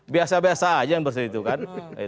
biasa biasa aja yang bersebut itu kan